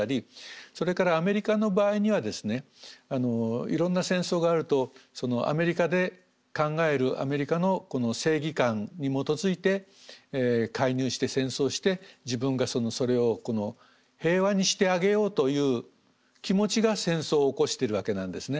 それからアメリカの場合にはですねいろんな戦争があるとアメリカで考えるアメリカの正義感に基づいて介入して戦争して自分がそれを平和にしてあげようという気持ちが戦争を起こしてるわけなんですね。